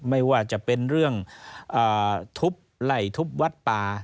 ไม่ว่าจะเป็นเรื่องทุบไหล่ทุบวัดป่า